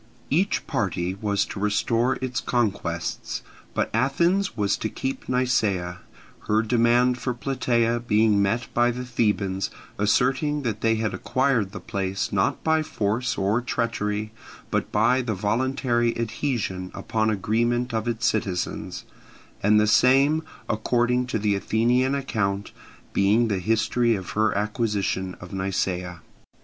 Each party was to restore its conquests, but Athens was to keep Nisaea; her demand for Plataea being met by the Thebans asserting that they had acquired the place not by force or treachery, but by the voluntary adhesion upon agreement of its citizens; and the same, according to the Athenian account, being the history of her acquisition of Nisaea.